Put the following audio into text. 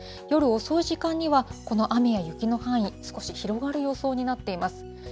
夜遅い時間には、この雨や雪の範囲、少し広がる予想になっています。